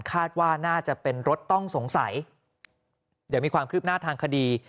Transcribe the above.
คาดว่าน่าจะเป็นรถต้องสงสัยเดี๋ยวมีความคืบหน้าทางคดี